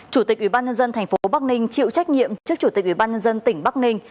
chủ tịch ủy ban nhân dân thành phố bắc ninh chịu trách nhiệm trước chủ tịch ủy ban nhân dân tỉnh bắc ninh